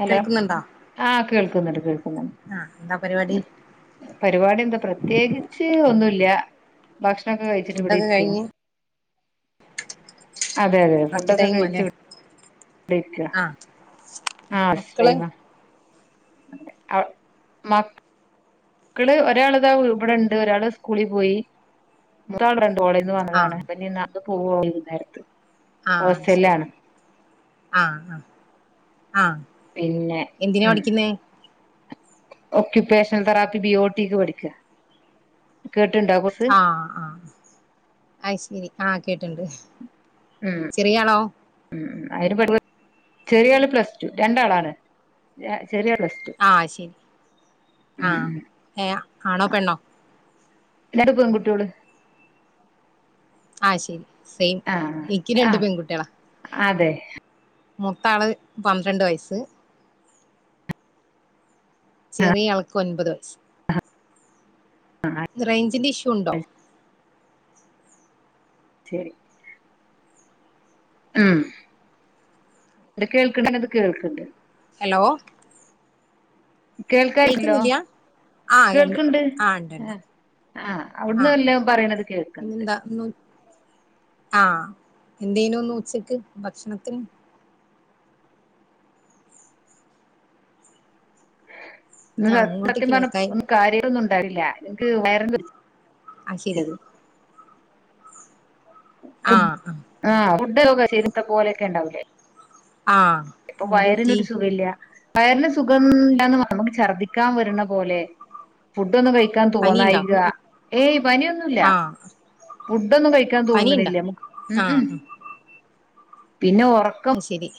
Hello ആഹ് കേൾക്കുന്നുണ്ട് കേൾക്കുന്നുണ്ട് ആഹ് എന്താ പരിപാടി പരിപാടി എന്താ പ്രത്യേകിച്ച് ഒന്നുമില്ല ഭക്ഷണൊക്കെ കഴിച്ചിട്ട് ഇവിടെ ഫുഡൊക്കെ ഇരിക്കുന്നു കഴിഞ്ഞ് അതെ അതെ റസ്റ്റ് ഫുഡൊക്കെ ടൈം അല്ലേ കഴിച്ച് ഇവിടെയിരിക്കാ ആഹ് ആ റസ്റ്റ്‌ മക്കള് ടൈമാ ആ മക് ക്കള് ഒരാൾതാ ഇവ് ഇബ്ടോണ്ട് ഒരാള് സ്കൂളി പോയി മൂത്താള് ഇവ്ടൊണ്ട് ഇപ്പ കോളേന്ന് വന്നതാണ് ആഹ് അപ്പനി ഇന്നാത്ത് പോവോള് വൈന്നേരത്ത് ആഹ് ശരി ആഹ് അഹ് ആഹ് പിന്നെ എന്തിനാ ഉം പഠിക്കുന്നേ ഓക്യുപേഷൻ തെറാപ്പി ബി ഒ ടിക്ക് പഠിക്ക കേട്ട്ണ്ടാ കൊ ആഹ് അഹ് അയ്ശരി ആ കേട്ട്ണ്ട് ചെറിയ ആളോ ഉം ഉം അയ്ന് പഠിപ് ചെറിയാള് പ്ലസ് ടു രണ്ടാളാണ് ചെറിയാള് പ്ലസ് ടു ആഹ് ശരി ഉം ആഹ് ഏ ആണോ പെണ്ണോ രണ്ട് പെങ്കുട്ട്യോള് ആഹ് ശരി സെയിം ആഹ് എനിക്ക് രണ്ട് ആഹ് പെൺകുട്ടികളാ അതെ മൂത്താള് പന്ത്രണ്ട് വയസ്സ് ആഹ് ചെറിയ ആൾക്ക് ഒൻപത് വയസ്സ് റേയ്ഞ്ചിന്റ ഇഷ്യൂ ഉണ്ടോ ശരി ഉം ഇത് കേൾക്ക്ണ്ടനത് കേൾക്ക്ണ്ട് ഹലോ കേൾക്കാനില്ലല്ലോ കേൾക്കുന്നില്ല ആഹ് ഉണ്ട് കേൾക്ക്ണ്ട് ആഹ് ഉണ്ട് ഉണ്ട് അ ആ അവ്ട്ന്ന് ആഹ് വെല്ലോം പറയണത് കേൾക്ക്ണ്ട് പിന്നെന്താ ഇന്ന് ആഹ് എന്തേനൂന്ന് ഉച്ചക്ക് ഭക്ഷണത്തിന് ഇന്നല ആഹ് ഇങ്ങോട്ട് സത്യം പറഞ്ഞ കേൾക്കായി ഒന്നും കാര്യട്ടൊന്നു ഉണ്ടായില്ല എനിക്ക് വയർന് ആഹ് ശെരി ഫുഡ് ആഹ് ആഹ് ഫുഡ് കശെരിത്ത പോലെക്കെ ഇണ്ടാവുല്ലേ ആഹ് ഇപ്പ എന്ത് പറ്റി വയറിനൊരു സുഖല്ല്യ വയർന് സുഖംല്ലാന്ന് മറന്നു ഛർദ്ദിക്കാം വെര്ണ പോലെ ഫുഡോന്നും കഴിക്കാൻ പനിയുണ്ടോ തോന്നായ്ക ഏയ് പനിയൊന്ന്- ന്നുല്ല ആഹ് ഫുഡൊന്നും കഴിക്കാൻ പനിയുണ്ടോ തോന്നണില്ല ആഹ് പിന്നെ ഒറക്കം അത് ശരി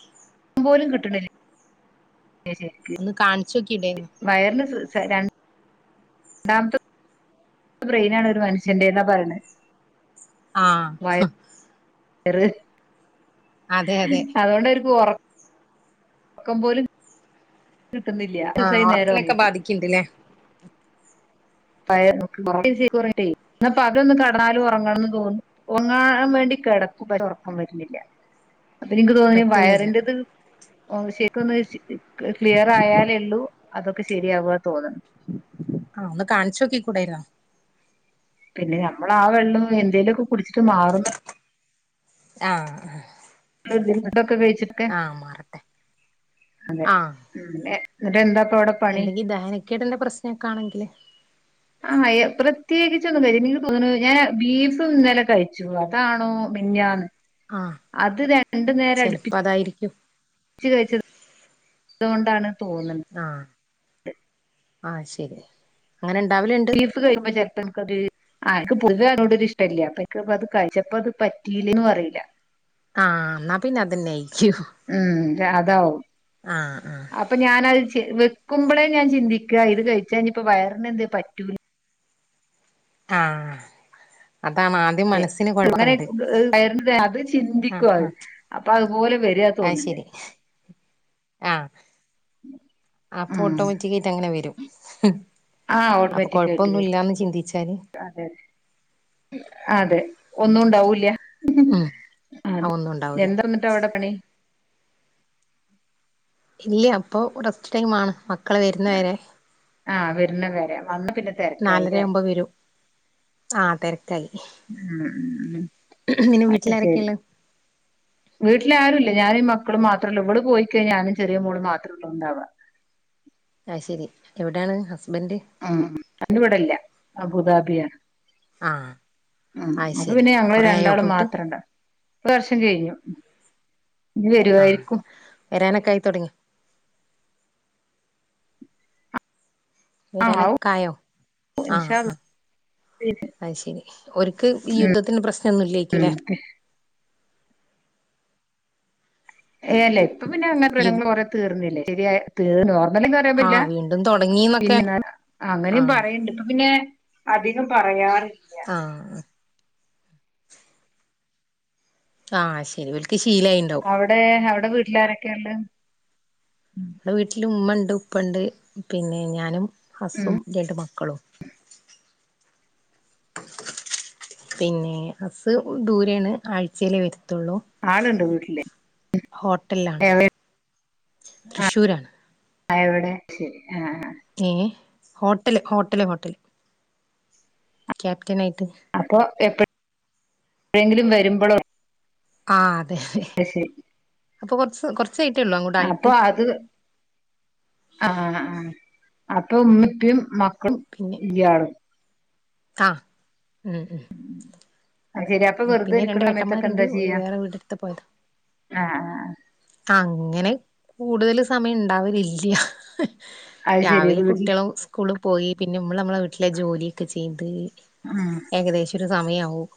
അത് പോലും കിട്ടണില്ലിയ ല്ലേ ശെരിക്ക് [unintelligible] ഒന്ന് കാണിച്ചു നോക്കിയില്ലേ വയറിന് രണ്ട് ണ്ടാമ്ത്ത് [unintelligible] ബ്രെയ്നാണ് ഒര് മനുഷ്യന്റെന്നാ പറയണെ ആഹ് ഇറ് അതെ അതെ അതുകൊണ്ട് ഒ [unintelligible] ർ ഒറക്കം പോലും- കിട്ടുന്നില്ലിയ ആഹ് വർക്കിലൊക്കെ ബാധിക്ക്ണ്ട് ഇല്ലേ പയെ മറ്റെ [unintelligible] ചേക്കൊറങ്ങീട്ടേ ഇന്നാപ്പ അതൊന്ന് കണ്ടാലും ഒറങ്ങണന്ന് തോന്നു ഒറങ്ങാൻ വേണ്ടി കെടക്കും പക്ഷെ ഒറക്കം വെരണില്ല അപ്പ എനിക്ക് തോന്നിനെ പറ്റുന്നില്ല വയറിന്റത് ഓ ശരിക്ക് ഒന്ന് ക്ലിയറായാലേയുള്ളൂ അതൊക്കെ ശരിയാവു തോന്നണ് ആഹ് ഒന്ന് കാണിച്ചു നോക്കി കൂടാരുന്നോ പിന്നെ ഞമ്മളാ വെള്ളോ എന്തേലോക്കെ കുടിച്ചിട്ട് മാറുന്ന് ആഹ് തൊ [unintelligible] ക്കെ കഴിച്ചിട്ടക്കെ ആഹ് മാറട്ടെ അതെ ഉം എന്നിട്ട് എന്താ ഇപ്പൊ അവിടെ പണി എന്തെങ്കി ദഹനക്കെടിന്റെ പ്രശ്നൊക്കെ ആണെങ്കില്- ആഹ് പ്രത്യേകിച് ഒന്നും കഴിചില്ല എനിക്ക് തോനുണു ഞാൻ ബീഫ് ഇന്നലെ കഴിച്ചു അതാണോ മിനിഞ്ഞാന്ന് ആഹ് അത് രണ്ടു നേരം അടുപ്പിച്ച് - ചെലപ്പോ അതായിരിക്കും ഇച്ചിരി കഴിച്ചത് അതുകൊണ്ടാണ് തോന്നുന്നത് ആഹ് ആ ശരി അങ്ങനെ ഉണ്ടാവല് ഉണ്ട് കഴുമ്പ ചർത്ത [unintelligible] ൻ കറി ആ എനിക്ക്‌ പൊതുവെ അതിനോട് ഒരു ഇഷ്ട്ടാവില്ലിയ അപ്പൊ അത് കഴിച്ചപ്പ അത് പറ്റിയില്ലേന്നും അറിയില്ല ആഹ് എന്നാ പിന്നെ അത് തന്നെ ആയിരിക്കും ഉം അതാവും ആഹ് ആഹ് അപ്പൊ ഞാനത് ചി വെക്കുമ്പോഴേ ഞാൻ ചിന്തിക്കുക ഇത് കഴിച്ചാ ഇനിപ്പോ വയറിനന് എന്തേലും പറ്റുമോ ആഹ് അതാണ് ആ - അതെ അങ്ങനെ അത് ആഹ് ചിന്തിക്കും അ ആഹ് അപ്പൊ അതുപോലെ വര- അത് ശരി ആ അപ്പൊ ഉം ഓട്ടോമാറ്റിക് ആയിട്ട് അങ്ങനെ വരും ആഹ് അപ്പൊ ഓട്ടോമാറ്റിക് ആയിട്ട് വരും കൊഴപ്പൊന്നുംല്ലാന്ന് ചിന്തിച്ചാല്- അതെ അതെ അതെ ഒന്നും ഉണ്ടാവൂല്ല ഉം ആഹ് അതെ ഒന്നും ഉണ്ടാവൂല എന്താ വന്നിട്ടാ അവിടെ പണി ഇല്ലിയ അപ്പൊ ഒസ് [unintelligible] ടൈമാണ് മക്കള് വരുന്നവരെ ആഹ് വരുന്ന വരെ വന്ന പിന്നെ നാലര തിരക്കായില്ലേ ആകുമ്പോ വരും ആഹ തിരക്കായി ഉം ഉം ഉം. നിന്നെ വീട്ടിലരൊക്കെയള്ള വീട്ടില ആരുും ഇ ഞാനും മക്കും മാത്രമ ഉള്ളു ഇവിള് പോയിക്കഴിഞ്ഞഞാനും ചെറിയ മോള് മാത്രമ ഉള്ള ഉണ്ടവാ ആയ് ശരി എവിടെയാണ് ഹസ്ബൻഡ് ഉ അവര് വിടല്ല അബുദാബിയാണ് ആഹ ഉ അപ്പ പിന്നെ ഞങ്ങള് രണ്ടാളും പോയിട്ട് മാത്രംണ്ട ഒരുവർഷം കഴിഞ്ഞു ഇനി വരുവായിരിക്കും വരാനക്കായി തുടങ്ങിയോ ആഹ് ആവും വരാനക്കായോ ഇൻഷാ ആഹ അള്ളാ അത് ശരി ഒക്ക് ഈ ഉം യുദ്ധത്തിന് പ്രശ്നമൊന്നും യില്ലായിരിക്കല്ലേ ഉം ഏ അല്ല ഇപ്പ പിന്നെ യു അങ്ങനെഞങ്ങങ്ങള്റെ തീർന്നില്ലേ ശരിയ തീ അങ്ങനറിയപ്പില്ല ആഹ് വീണ്ടും തൊടങ്ങീന്നൊക്കെ പിന്നെ അങ്ങനെയും ആഹ് പറയണ്ട് ഇപ്പ പിന്നെ അധികം പറയാറ് ഇല്ല ആഹ ആഹ് ശരി ഓൽക്ക്ശീലയണ്ട് അവിടെ അവിടെ വീട്ടിലാരൊക്കെയുണ്ട് നമ്മടെ വീട്ടില ഉമ്മ ഉണ്ട് ഉപ്പ ഉണ്ട് പിന്നെ ഞാനും ഹസ്സും രണ്ട് മക്കളും പിന്നെ അസ് ദൂരാണ് ആഴ്ചയിലേ വരത്തുള്ളൂ ആളുണ്ട് വീട്ടില് ഹോട്ടലിലാണ് എവിടെണ് തൃശ്ശൂരാണ് ആവിടെ ശരി ആ ഹ ഏ ഹോട്ടല് ഹോട്ടല് ഹോട്ടല് ക്യാപ്റ്റന ആയിട്ട് അപ്പോൾ എപ്പ എഴെങ്കിലും വരുമ്പോൾ ആ ഹഅതെ അതെ അയ് ശരി അപ്പൊ കുറച്ച് കുറച്ച് കൊറച്ചായിട്ടൊള്ളു അപ്പൊ അത് ആഹ് ആഹ് അപ്പൊ ഉമ്മ ഇപ്പിം മക്കളും പിന്നെ ഇഴാളും ആഹ് ഉം ഉം അത് അതെ ശരി അപ്പൊ വെറുതെ പിന്നെ രണ്ട് ഇരിക്കുന്ന സമയത്തൊക്കെ ഏട്ടന്മാരുണ്ട് എന്താ ഓര് ചെയ്യാ വേറെ വീടെടുത്ത് പോയത് ആ ആ അങ്ങനെ കൂടുതല് സമയം ഇണ്ടാവലില്ല അത് ശരി രാവിലെ വീട്ടിൽ കുട്ടികളും സ്കൂള് പോയി പിന്നെ നമ്മള് നമ്മളെ വീട്ടിലെ ജോലിയൊക്കെ ചെയ്ത് ഉം ഏകദേശം ഒരു സമയാവും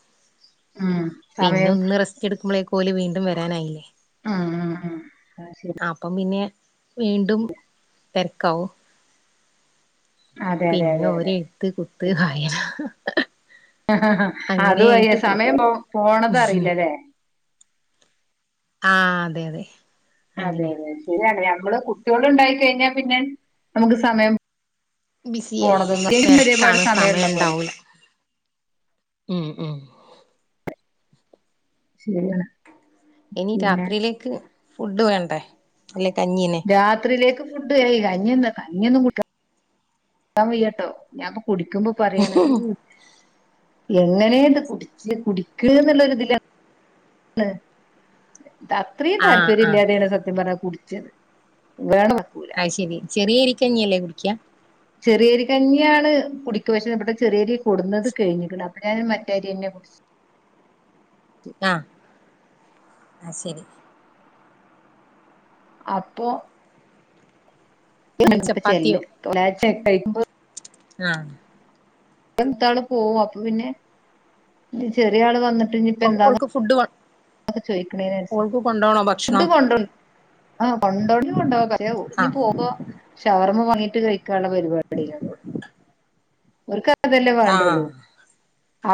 ഉം പിന്നെ സമയം ഒന്ന് റെസ്റ്റ് എടുക്കുമ്പോളേക്കും ഓല് വീണ്ടും വരാനായില്ലേ ഉം ഉം ഉം അത് ശരി അപ്പം പിന്നെ വീണ്ടും തരക്കാവും അതെ അതെ പിന്നെ അതെ ഒര് അതെ എഴുത്ത് കുത്ത് വായന അങ്ങനെ അതുവായി ആയിട്ട് പോവും സമയം പോ പോണത് അറിയില്ലല്ലേ ആഹ അതെ അതെ അതെ അങ്ങനെ അതെ ശരിയാണ് നമ്മള് കുട്ടികള് ഉണ്ടായി കഴിഞ്ഞാ പിന്നെ നമുക്ക് സമയം ബിസിയായി പോണതൊന്നും പിന്നെ ഒരുപാട് തരക്കാണ് സമയം സമയമുള്ള പോലെ ഉണ്ടാവൂല ഉം ഉം ശരിയാണ് ഇനി പിന്നെ രാത്രിയിലേക്ക് ഫുഡ് വേണ്ടേ അല്ലേ കഞ്ഞീനെ രാത്രിയിലേക്ക് ഫുഡ് കയി കഞ്ഞൊ കഞ്ഞൊന്നും കുടി ക്കാൻ വയ്യാട്ടോ ഞാൻ ഇപ്പൊ കുടിക്കുമ്പോ പറയാണ് ഇ എങ്ങനെത് കുടിച്ച് കുടിക്ക് എന്നുള്ളൊരു ഇതിലാ ണ് ത അത്രയും ആഹ് ആഹ് താല്പര്യല്ലാതെണ് സത്യം പറഞ്ഞ കുടിച്ചത് വേണം വക്കൂല അയ് ശരി ചെറിയ അരിക്കഞ്ഞിയല്ലേ കുടിക്ക ചെറിയരി കഞ്ഞിയാണ് കുടിക്ക പക്ഷേ ഇവിടെ ചെറിയരി കൊടുന്നത് കഴിഞ്ഞ്ക്ക്ണ് അ അപ്പ ഞാന് മറ്റെ അരിന്നെ വെ ആഹ് ആ ശരി അപ്പോ ഇനി ചെല്ല് ചപ്പാത്തിയോ കഴിക്കുമ്പോ [unintelligible] ആഹ് എത്താണ് പോവും അപ്പൊ പിന്നെ ഇല്ല ചെറിയ ആള് വന്ന്- ഓൾ ഓൾക്ക് ഫുഡ് വേണം അതൊക്കെ ചോയിക്ക്ണനനുസരിച്ച് ഫുഡ് ഭക്ഷണം കൊണ്ടോ ആ കൊണ്ടോണങ്കി കൊണ്ടോവാ പക്ഷെ ഇഞ്ഞി ആഹ് പോവുമ്പോ ഷവർമ്മ വാങ്ങിട്ട് കഴിക്കാള്ള പരിപാടിയ ഓർക്ക് അതല്ലേ വേണ്ടുള്ളൂ ആഹ്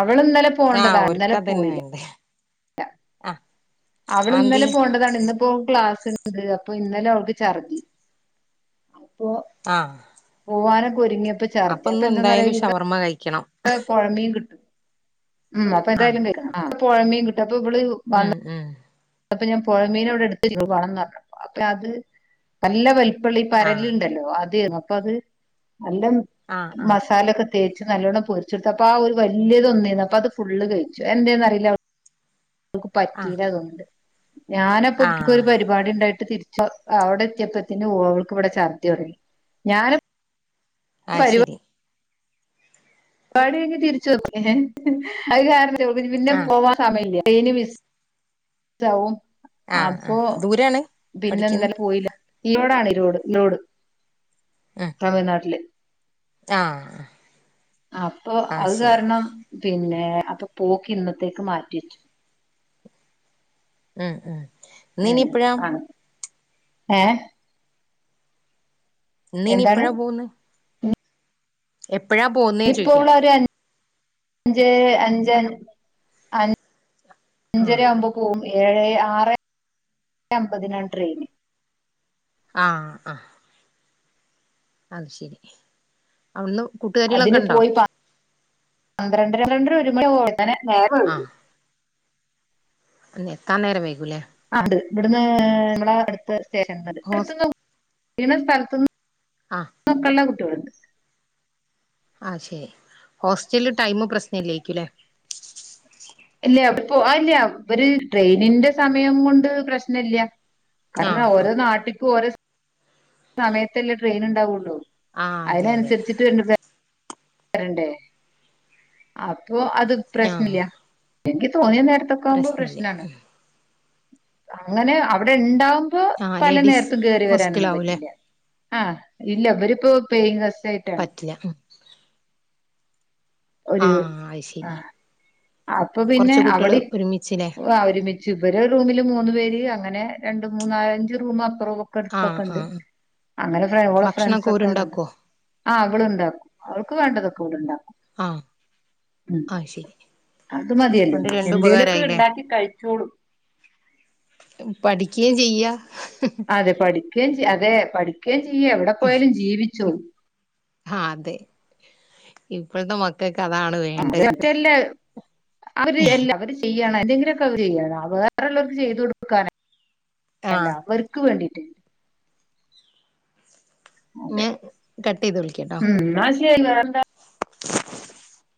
അവള് ഇന്നലെ ആഹ് പോണ്ടതാണ് ഇന്നലെ ഒര്ക്കതന്നെ പോയില്ല വേണ്ടേ ആഹ് അവള് ആന്തി ഇന്നലെ പോണ്ടതാണ് ഇന്ന് ഇപ്പൊ ക്ലാസ്ണ്ട് അപ്പൊ ഇന്നലെ അവൾക്ക് ഛർതി അപ്പൊ ആഹ് പോവാനൊക്കെ ഒരുങ്ങിയപ്പോ ഛർദി അപ്പൊ ഇന്ന് എന്താന്നറിയോ എന്തായാലും ഇവിടെ ഷവർമ്മ കഴിക്കണം പുഴമീൻ കിട്ടും ഉം അപ്പൊ ആഹ് എന്തായാലും കഴിക്കണം പുഴമീൻ കിട്ടും അപ്പം ഇവള് വന്ന ഉം ഉം അപ്പൊ ഞാൻ പുഴമീനവിടെ എടുത്ത് വെച്ച്ക്ക്ണു വാണംന്ന് പറഞ്ഞപ്പോ അപ്പൊ അത് നല്ല വെലാപ്പള്ള ഈ ആഹ് പരലുണ്ടല്ലോ അതെർന്നു അപ്പ അത് നല്ല ആഹ് ആഹ് മസാലൊക്കെ തേച്ച് നല്ലോണ്ണം പൊരിച്ചെടുത്തപ്പൊ ആ ഒരു വലിയതൊന്നേന്നു അപ്പ അത് ഫുള്ള് കഴിച്ചു എന്തെന്ന് അറിയില്ല അവൾ ഓക്ക് ആഹ് പറ്റീല തോന്ന്ണ്ട് ഞാനപ്പൊ ഒരു ആഹ് പരി പാടിണ്ടായിട്ട് തിരിച്ച് അവിടെ എത്തിയപ്പോത്തിന് ഓൾക്ക് ഇവിടെ ചർദ്ദി തുടങ്ങി ഞാന്- ആ ശരി പാരിവാടി കഴിഞ്ഞു തിരിച്ചു ഏത്തെ അത് കാരണ പിന്നെ ആഹ് പോ സമയല്ലന് വിസാവവും [unintelligible] ആഹ് അപ്പൊ ആഹ് ദൂരാണ് പിന്നെ പഠിക്കുന്നെ ഇന്നലെ പോയില്ല ഈയോടാണ് ഈ ലോഡ് ലോഡ് തമിഴ്നാട്ടില് ആഹ അപ്പൊ അത് കാരണം പിന്നെ അപ്പൊ പോക്ക് ഇന്നത്തേക്ക് മാറ്റിവ വെച്ചു ഉം ഉം ഇന്ന് ഉ ഇനി എപ്പഴാ ആ ഏ ഇന്ന് ഇനി എന്താണ് എപ്പഴാ പോകന്ന് എപ്പോഴാ പോന്നത്- ഇപ്പോ ഉള്ള ഒരു അഞ്ച് അഞ്ച് അഞ്ചര ആഹ് ആവുമ്പോ പോകവും ഏഴ് ആറ് അമ്പതിനാണ് ട്രെയിന് ആഹ് ആഹ് അത് ശരി അവിടുന്നും കുട്ട് അതിന് പോയി പന്ത്രണ്ടണ്ടര ഒരു മണി ആകും അവിടെ എത്താൻ എത്താ നേരം വൈകൂലേ ആത് ഇവിടുന്ന് നമ്മ അടുത്ത് സ്റ്റേഷൻ ഹോസ് ഇവിടു സ്ഥലത്തു ആഹ് [unintelligible] കുട്ടികളുണ്ട് ആ ശരി ഹോസ്റ്റൽ ടൈം പ്രശ്നം ഇല്ലായിരിക്കും അല്ലേ ഇല്ല അ പോ ഇല്ല അവര് ട്രെയിനിന്റെ സമയം കൊണ്ട് പ്രശ്ന ഇല്ല കാരണം ആഹ് ഓരോ ആഹ് നാട്ടിക്കും ഓരോ സമയത്തല്ലേ ട്രെയിൻ ഉണ്ടാവുള്ളൂ ആഹ് അതെ അതെ അതിനനുസരിച്ചിട്ട് വരണ്ടേ അപ്പൊ അത് പ്രശ്ന ആഹ് ഇല്ല എനിക്ക് തോന്നിയ നേരത്തെൊക്കെ ആവുമ്പോ പ്രശ്നല്ല പ്രശ്നാണ് അങ്ങനെ അവിടെ ഉണ്ടാവുമ്പോ ആഹ് പല ലേഡീസ് നേരത്തും കയറി വരാനൊന്നും ഹോസ്റ്റലാവൂല്ലേ പറ്റില്ല ആഹ് ഇല്ല ഇവരിപ്പോ പെയിൻ ഗസ്റ്റ്‌ ആയിട്ട് പറ്റില്ല ഒരു ആഹ് അത് ആ ശരി അപ്പൊ പിന്നെ കൊറച്ച് കുട്ടികള് അവിടെ ഒരുമിച്ചില്ലേ ഒരുമിച്ച് പക്ഷേ ഇവരെ റൂമില് മൂന്ന് പേര് അങ്ങനെ രണ്ട് മൂന്ന് അഞ്ച് റൂം അപ്പുറം അടുത്തൊക്കെ ആഹ് ഉണ്ട് ആഹ് അങ്ങനെ ഓളെ ഫ്രണ്ട്സ് ഭക്ഷണൊക്കെ ഒക്കെ ഇവിടെണ്ട് ഓരുണ്ടാക്കോ ആ അവൾ ഉണ്ടാക്കും അവൾക്ക് വേണ്ടതൊക്കെ അവൾ ഉണ്ടാക്കും ആഹ് ഉം അത് ശരി അത് മതിയല്ലോ അതോണ്ട് രണ്ട് എന്തേലുമൊക്കെ ഉപകാരായില്ലേ ഉണ്ടാക്കി കഴിച്ചോളൂ പഠിക്കുകയും ചെയ്യാം അതെ പഠിക്കുകയും ചെയ അതെ പഠിക്കുകയും ചെയ്യ എവിടെ പോയാലും ജീവിച്ചോ ആഹ് അതെ ഇപ്പോഴത്തെ മക്കൾക്ക് അതാണ് അത് വേണ്ടത് മറ്റല്ല ചെയ്യാണ് എന്തെങ്കിലൊക്കെ ചെയ്യ അത് വേറെള്ളോർക്ക് ചെയ്തു കൊടുക്കാന് അല്ല ആഹ് അവർക്ക് വേണ്ടിട്ട് അതേ ഞാൻ കട്ട് ചെയ്ത് വിളിക്കാട്ടോ ഉം ന്നാശരി വേറെന്താ [inaudible]